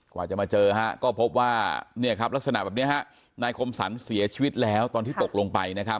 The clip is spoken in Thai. กว่าจะมาเจอก็พบว่ารักษณะแบบนี้นายคมสรรค์เสียชีวิตแล้วตอนที่ตกลงไป